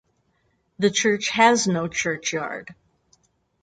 The church has no churchyard.